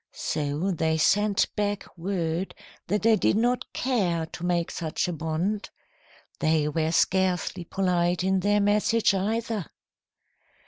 So they sent back word that they did not care to make such a bond. They were scarcely polite in their message, either.